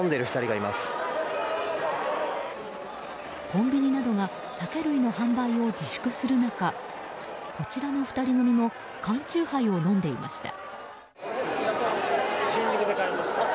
コンビニなどが酒類の販売を自粛する中こちらの２人組も缶酎ハイを飲んでいました。